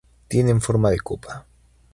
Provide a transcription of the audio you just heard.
Tienen forma de copa.